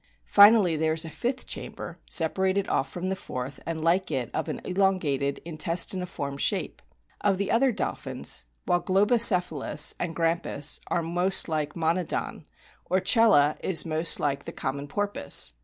Finally, there is a fifth chamber, separated off from the fourth, and, like it, of an elongated in testiniform shape. Of other dolphins, while Globicephalus and Grampiis are most like Monodon, Orcella is most like the common porpoise.